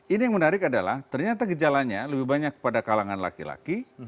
ini yang menarik adalah ternyata gejalanya lebih banyak pada kalangan laki laki